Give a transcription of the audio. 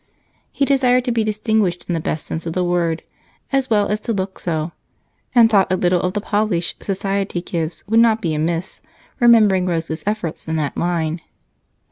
He desired to be distinguished in the best sense of the word, as well as to look so, and thought a little of the polish society gives would not be amiss, remembering Rose's efforts in that line.